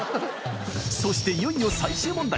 そしていよいよ最終問題